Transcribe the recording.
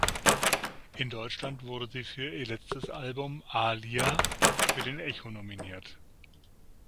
In Deutschland wurde sie für ihr letztes Album "Aaliyah" für den Echo nominiert.